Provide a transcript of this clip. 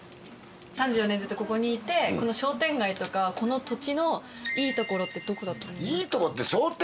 ３４年ずっとここにいてこの商店街とかこの土地のいいところってどこだと思いますか？